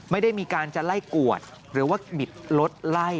ไม่ได้มีการจะไล่กวดหรือว่าบิดรถไล่